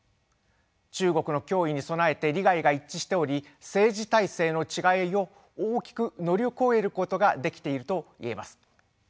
中国の脅威に備えて利害が一致しており政治体制の違いを大きく乗り越えることができているといえます。